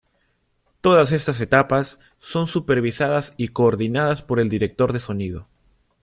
Todas estas etapas son supervisadas y coordinadas por el director de sonido.